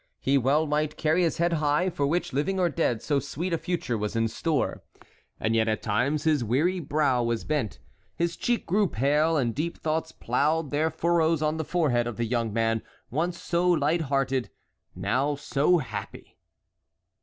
He well might carry his head high, for which, living or dead, so sweet a future was in store. And yet at times his weary brow was bent, his cheek grew pale, and deep thoughts ploughed their furrows on the forehead of the young man, once so light hearted, now so happy!